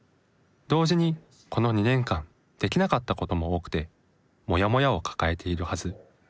同時にこの２年間できなかったことも多くてモヤモヤを抱えているはず。